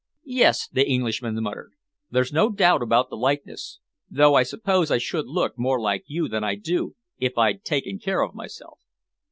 "Yes," the Englishman muttered, "there's no doubt about the likeness, though I suppose I should look more like you than I do if I'd taken care of myself.